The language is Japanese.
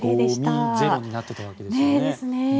ゴミゼロになっていたわけですね。